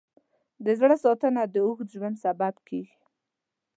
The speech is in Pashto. د زړه ساتنه د اوږد ژوند سبب کېږي.